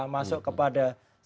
masuk kepada lekra